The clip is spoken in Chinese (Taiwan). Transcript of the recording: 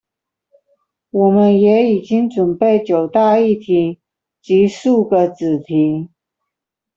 我們也已經準備九大議題及數個子題